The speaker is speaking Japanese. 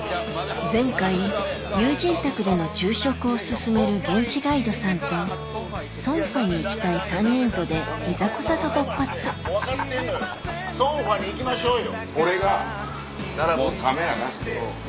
前回友人宅での昼食を勧める現地ガイドさんとソンファに行きたい３人とでいざこざが勃発ソンファに行きましょうよ。